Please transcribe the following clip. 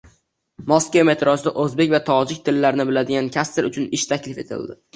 Moskva metrosida o‘zbek va tojik tillarini biladigan kassir uchun ish taklif etildi